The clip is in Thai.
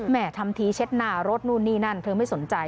ทำทีเช็ดหน้ารถนู่นนี่นั่นเธอไม่สนใจ